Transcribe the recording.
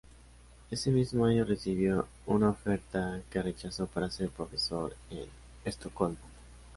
Ese mismo año recibió una oferta, que rechazó, para ser profesor en Estocolmo.